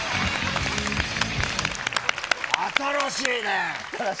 新しいね。